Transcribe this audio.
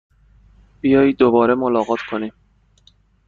بیایید دوباره ملاقات کنیم!